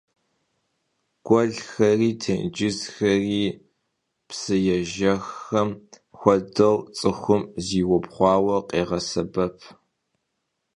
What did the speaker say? Guelxeri têncızxeri, psıêjjexxem xuedeu, ts'ıxum zıubğuaue khêğesebep.